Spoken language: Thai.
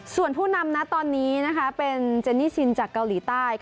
ส่วนผู้นำนะตอนนี้เป็นเจนนี่ชินจากเกาหลีใต้